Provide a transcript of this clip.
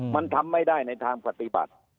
มันทำไม่ได้ในทางปฏิบัติ